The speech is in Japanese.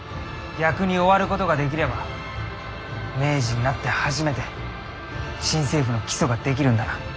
逆に終わることができれば明治になって初めて新政府の基礎が出来るんだな？